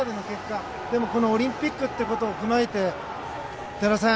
オリンピックということを踏まえて、多田さん